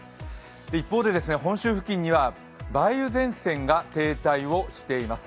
一方で、本州付近には梅雨前線が停滞をしています。